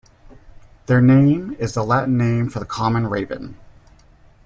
Their name is the Latin name for the common raven.